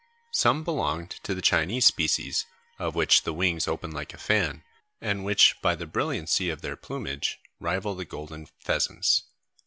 Some belonged to the Chinese species, of which the wings open like a fan, and which by the brilliancy of their plumage rival the golden pheasants.